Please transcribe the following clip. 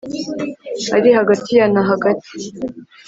Ari hagati ya na hagati